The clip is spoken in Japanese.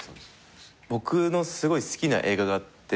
僕のすごい好きな映画があって。